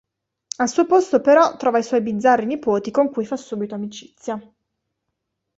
Al suo posto però trova i suoi bizzarri nipoti con cui fa subito amicizia.